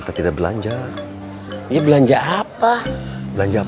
sudah selesai masak saya